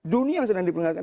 dunia sedang diperingatkan